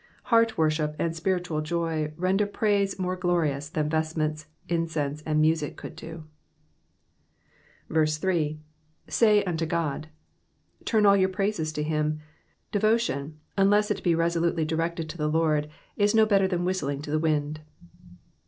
Heart worship and spiritual joy render praise more glorious than vestments, incense, and music could do. 3. ^''Say tinto Oody Turn all your praises to him. Devotion, unless it be resolutely directed to the Lord, is no better than whistling to the wind.